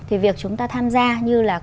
thì việc chúng ta tham gia như là